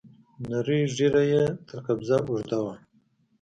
نرۍ ږيره يې تر قبضه اوږده وه.